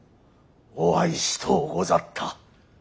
お会いしとうござった。